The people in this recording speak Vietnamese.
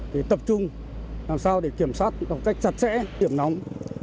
để tập trung làm sao để kiểm soát trong cách chặt chẽ hiểm nóng